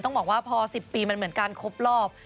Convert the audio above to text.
ต้องบอกว่าพอ๑๐ปีมันเหมือนการครบรอบ